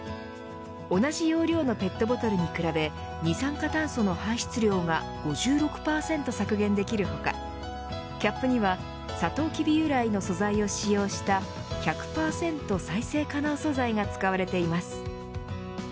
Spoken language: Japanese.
同じ容量のペットボトルに比べ二酸化炭素の排出量が５６％削減できる他キャップにはサトウキビ由来の素材を使用した１００％再生可能素材が使われています。